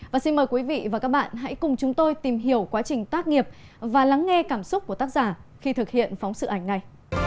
và xin mời quý vị và các bạn hãy cùng chúng tôi tìm hiểu quá trình tác nghiệp và lắng nghe cảm xúc của tác giả khi thực hiện phóng sự ảnh này